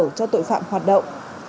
tạo kẽ hở cho tội phạm hoạt động